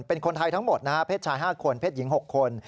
เป็นคนไทยทั้งหมดนะฮะเพศชาย๕คนเพศหญิง๖คน